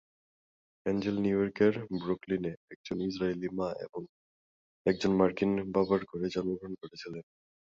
Angel নিউ ইয়র্কের ব্রুকলিনে একজন ইসরায়েলি মা এবং একজন মার্কিন বাবার ঘরে জন্মগ্রহণ করেছিলেন।